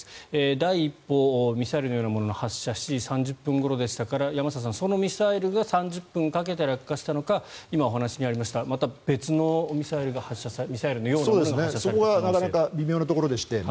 第１報ミサイルのようなものの発射７時３０分ごろでしたから山下さん、そのミサイルが３０分かけて落下したのかまた別のミサイルのようなものが発射されたのか。